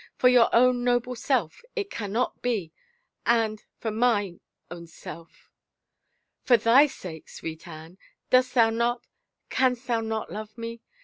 ... For your own noble self it cannot be — and for mine own self." " For thy sake, sweet Anne ? Dost thou not — canst thou not love me